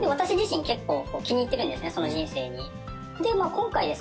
今回ですね